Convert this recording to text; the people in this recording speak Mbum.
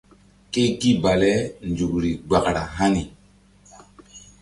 Ke gi bale nzukri gbara hani.